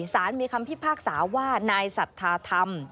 สารมีคำพิพากษาว่านายสัทธาธรรม